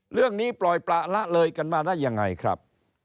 เรื่องนี้ปล่อยปล่าละเลยกันมาได้ยังไงครับ